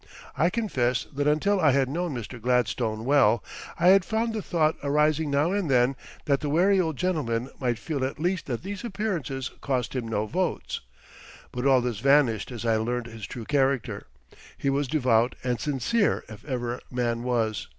I confess that until I had known Mr. Gladstone well, I had found the thought arising now and then that the wary old gentleman might feel at least that these appearances cost him no votes. But all this vanished as I learned his true character. He was devout and sincere if ever man was.